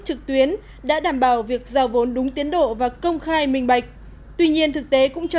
trực tuyến đã đảm bảo việc giao vốn đúng tiến độ và công khai minh bạch tuy nhiên thực tế cũng cho